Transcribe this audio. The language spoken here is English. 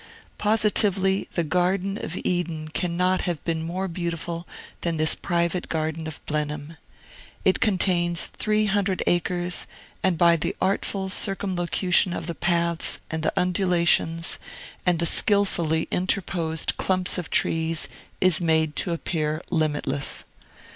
Positively, the Garden of Eden cannot have been more beautiful than this private garden of Blenheim. It contains three hundred acres, and by the artful circumlocution of the paths, and the undulations, and the skilfully interposed clumps of trees, is made to appear limitless.